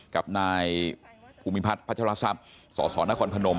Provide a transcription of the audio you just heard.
กับนายภูมิพัฒน์พัชรทรัพย์สสนครพนม